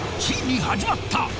ついに始まった！